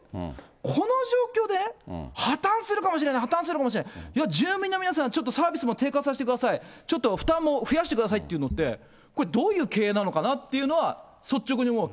この状況でね、破綻するかもしれない、破綻するかもしれない、住民の皆さん、ちょっとサービスも低下させてください、ちょっと負担も増やしてくださいっていうのでね、これどういう経営なのかなというのは、率直に思うわけ。